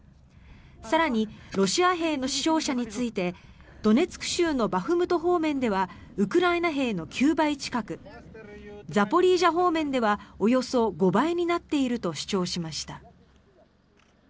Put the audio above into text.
更に、ロシア兵の死傷者についてドネツク州のバフムト方面ではウクライナ兵の９倍近くザポリージャ方面ではおよそ５倍になっていると主張しました。